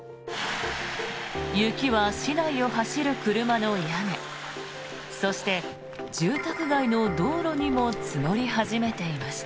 雪は市内を走る車の屋根そして、住宅街の道路にも積もり始めていました。